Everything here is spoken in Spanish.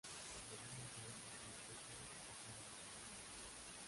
Los dos mejores de cada grupo pasan a las semifinales.